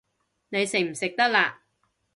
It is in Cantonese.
你食唔食得辣